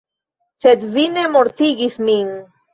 Sed vi ne mortigis min.